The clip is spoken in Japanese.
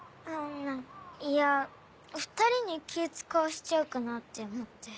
いや２人に気使わしちゃうかなって思って。